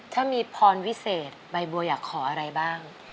ถ้ามีพรวิเศษใบบัวอยากขออะไรบ้าง